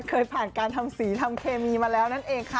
เคยผ่านการทำสีทำเคมีมาแล้วนั่นเองค่ะ